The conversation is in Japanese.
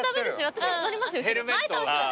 私乗ります後ろ。